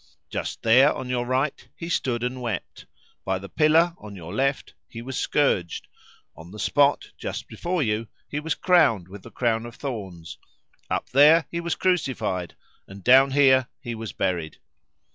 Just there, on your right, He stood and wept; by the pillar, on your left, He was scourged; on the spot, just before you, He was crowned with the crown of thorns; up there He was crucified, and down here He was buried.